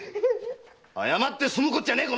謝って済むことじゃねえ！